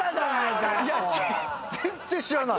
いや全然知らない。